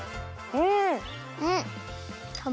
うん。